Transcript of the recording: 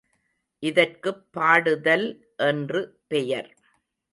இதற்குப் பாடுதல் என்று பெயர்.